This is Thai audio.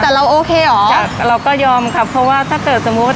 แต่เราโอเคเหรอเราก็ยอมครับเพราะว่าถ้าเกิดสมมุติ